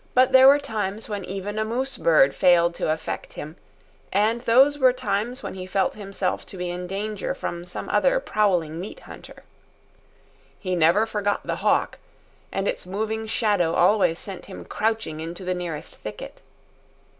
But there were times when even a moose bird failed to affect him, and those were times when he felt himself to be in danger from some other prowling meat hunter. He never forgot the hawk, and its moving shadow always sent him crouching into the nearest thicket.